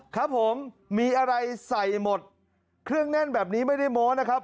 ครับผมมีอะไรใส่หมดเครื่องแน่นแบบนี้ไม่ได้โม้นะครับ